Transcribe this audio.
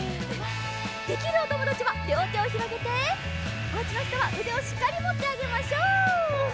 できるおともだちはりょうてをひろげておうちのひとはうでをしっかりもってあげましょう！